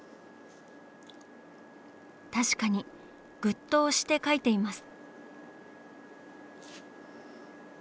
確かにグッと押して描いています。